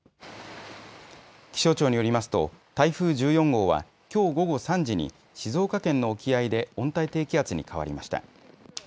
気象庁によりますと台風１４号はきょう午後３時に静岡県の沖合で温帯低気圧に変わりました。